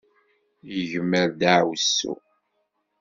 Igmer ddaɛwessu.